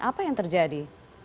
apa yang terjadi